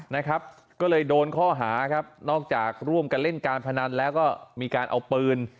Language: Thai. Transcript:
นะครับก็เลยโดนข้อหาครับนอกจากร่วมกันเล่นการพนันแล้วก็มีการเอาปืน